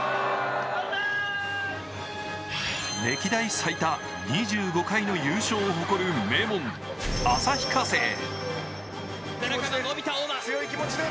歴代最多２５回の優勝を誇る名門・旭化成。